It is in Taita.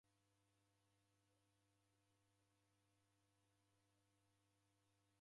Boi wanywa mariw'a ghedu.